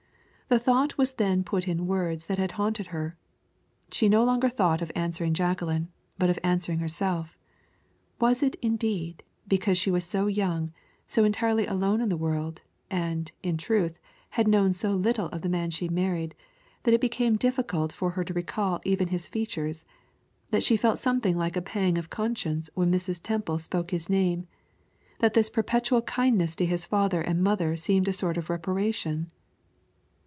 The thought was then put in words that had haunted her. She no longer thought of answering Jacqueline, but of answering herself. Was it, indeed, because she was so young, so entirely alone in the world, and, in truth, had known so little of the man she married, that it became difficult for her to recall even his features; that she felt something like a pang of conscience when Mrs. Temple spoke his name; that this perpetual kindness to his father and his mother seemed a sort of reparation?